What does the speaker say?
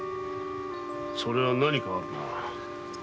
それは何かあるな。